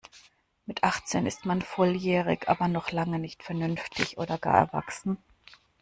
Mit achtzehn ist man volljährig aber noch lange nicht vernünftig oder gar erwachsen.